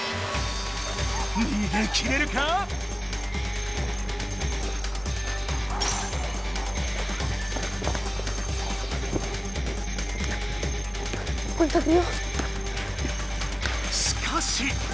逃げ切れるか⁉しかし。